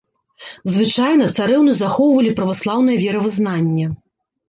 Звычайна, царэўны захоўвалі праваслаўнае веравызнанне.